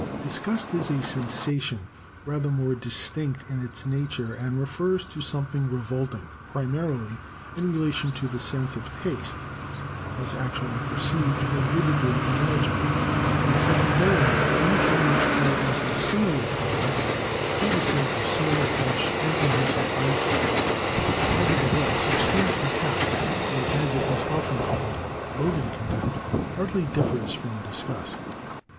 Disgust is a sensation rather more distinct in its nature and refers to something revolting, primarily in relation to the sense of taste, as actually perceived or vividly imagined; and secondarily to anything which causes a similar feeling, through the sense of smell, touch, and even of eyesight. Nevertheless, extreme contempt, or as it is often called loathing contempt, hardly differs from disgust.